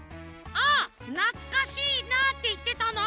「ああなつかしいなあ」っていってたの。